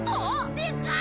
でかい！